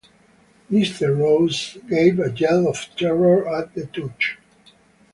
Mr. Rose gave a yelp of terror at the touch.